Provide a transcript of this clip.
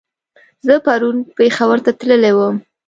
زه پرون پېښور ته تللی ووم